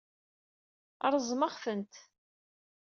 Reẓmeɣ-tent.